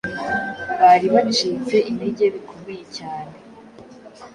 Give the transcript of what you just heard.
Bari bacitse intege bikomeye cyane.